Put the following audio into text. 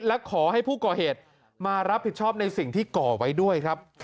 และขอให้ผู้ก่อเหตุมารับผิดชอบในสิ่งที่ก่อไว้ด้วยครับ